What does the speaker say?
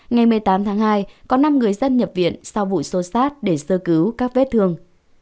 ngày một mươi tám tháng hai có năm người dân nhập viện sau vụ xô xát để sơ cứu các vết thương